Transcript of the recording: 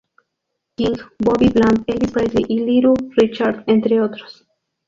King, Bobby Bland, Elvis Presley y Little Richard, entre otros.